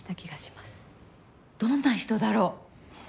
どんな人だろう？